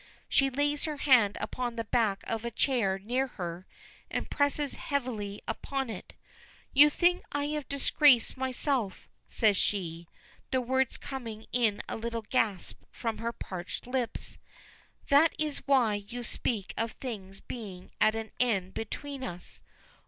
She lays her hand upon the back of a chair near her, and presses heavily upon it. "You think I have disgraced myself," says she, the words coming in a little gasp from her parched lips. "That is why you speak of things being at an end between us.